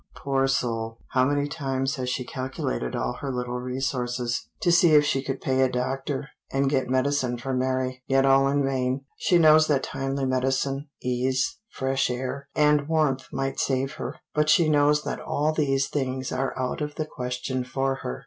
Poor soul! how many times has she calculated all her little resources, to see if she could pay a doctor and get medicine for Mary yet all in vain. She knows that timely medicine, ease, fresh air, and warmth might save her; but she knows that all these things are out of the question for her.